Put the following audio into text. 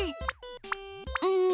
うん